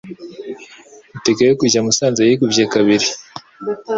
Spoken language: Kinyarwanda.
Itike yo kujya musanze yikubye kabiri